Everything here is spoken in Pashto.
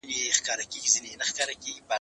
يا نه کم، چي کم نو د خره کم.